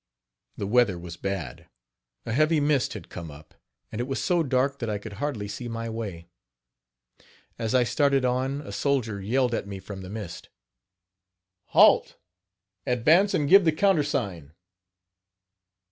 The weather was bad, a heavy mist had come up, and it was so dark that I could hardly see my way. As I started on, a soldier yelled at me from the mist: "Halt! advance and give the countersign.